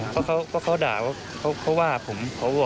คุณคุ้นเคยไม่ใช่ครับเป็นแถวบ้านครับ